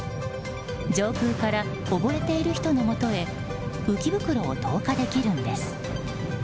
上空から溺れている人のもとへ浮き袋を投下できるんです。